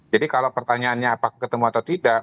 jadi kalau pertanyaannya apakah ketemu atau tidak